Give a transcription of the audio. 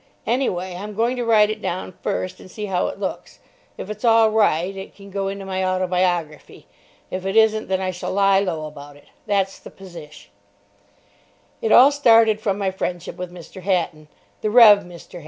Anyway, I'm going to write it down first and see how it looks. If it's all right it can go into my autobiography. If it isn't, then I shall lie low about it. That's the posish. It all started from my friendship with Mr. Hatton—the Rev. Mr.